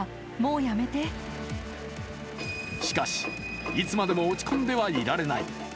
しかし、いつまでも落ち込んではいられない。